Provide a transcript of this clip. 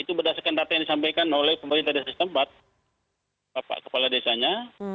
itu berdasarkan data yang disampaikan oleh pemerintah desa setempat bapak kepala desanya